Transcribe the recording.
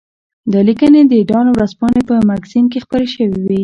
دا لیکنې د ډان ورځپاڼې په مګزین کې خپرې شوې وې.